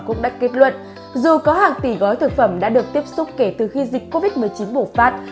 cũng đã kết luận dù có hàng tỷ gói thực phẩm đã được tiếp xúc kể từ khi dịch covid một mươi chín bùng phát